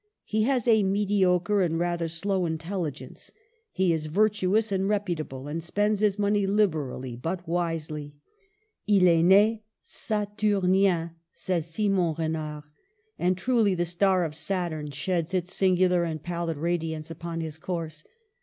He has a mediocre and rather slow intelH gence. He is virtuous and reputable, and spends his money liberally but wisely." II est ne Saturnien," says Simon Renard ; and truly the star of Saturn sheds its singular and pallid radiance upon his course.